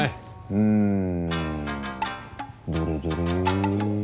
うんどれどれ。